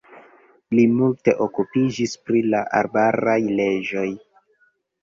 Li multe okupiĝis pri la arbaraj leĝoj.